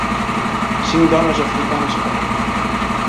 Cinc dones africanes parlant